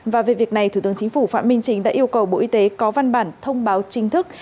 và về việc này thủ tướng chính phủ phạm minh chính đã yêu cầu bộ y tế có văn bản thông báo chính thức